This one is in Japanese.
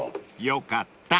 ［よかった］